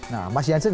nah mas janset